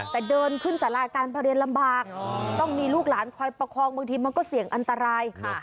แต่เดินขึ้นสาราการประเรียนลำบากต้องมีลูกหลานคอยประคองบางทีมันก็เสี่ยงอันตราย